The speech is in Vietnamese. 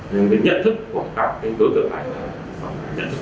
những đối tượng đi khẳng này